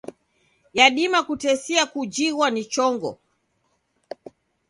Yadima kutesia kujighwa ni chongo.